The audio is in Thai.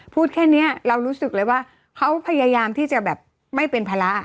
พูดแค่นี้เรารู้สึกเลยว่าเขาพยายามที่จะแบบไม่เป็นภาระ